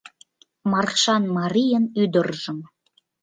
Маршан марийын ӱдыржым